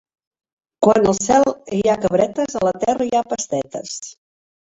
Quan al cel hi ha cabretes, a la terra hi ha pastetes.